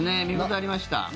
見応えありました。